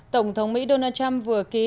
tổng thống mỹ donald trump vừa ký